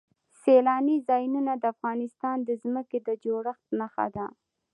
سیلانی ځایونه د افغانستان د ځمکې د جوړښت نښه ده.